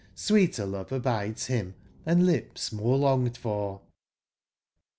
*^ Sweeter love abides bim, and lips more longed for."